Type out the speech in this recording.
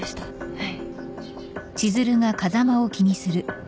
はい。